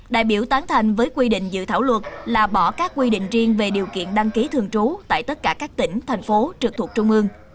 đại biểu tán thành với quy định dự thảo luật là bỏ các quy định riêng về điều kiện đăng ký thường trú tại tất cả các tỉnh thành phố trực thuộc trung ương